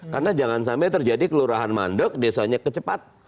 karena jangan sampai terjadi kelurahan mandok desanya kecepat